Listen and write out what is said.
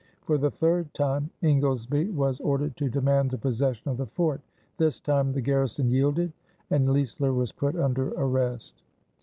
For the third time Ingoldesby was ordered to demand the possession of the fort. This time the garrison yielded and Leisler was put under arrest.